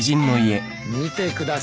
見てください。